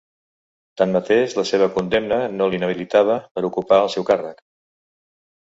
Tanmateix, la seva condemna no la inhabilitava per a ocupar el seu càrrec.